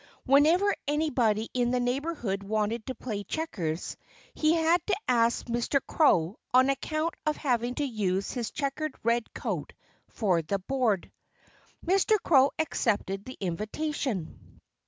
Whenever anybody in the neighborhood wanted to play checkers, he had to ask Mr. Crow, on account of having to use his checkered red coat for the board. Mr. Crow accepted the invitation.